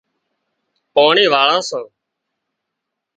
پاڻي واۯان سان